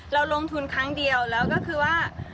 เราลงทุนครั้งเดียวแล้วก็คือว่า